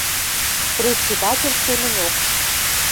Председатель семӹньок.